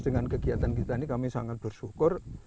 dengan kegiatan kita ini kami sangat bersyukur